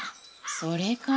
それから。